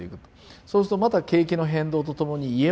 そうするとまた景気の変動とともに家も仕事も全部失う。